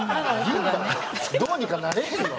どうにかなれへんの？